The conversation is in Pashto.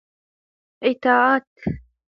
اطاعت